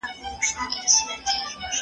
کېدای سي بوټونه ګنده وي!